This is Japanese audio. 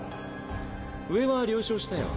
上は了承したよ。